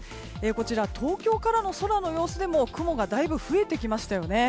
こちら東京からの空の様子でも雲がだいぶ増えてきましたよね。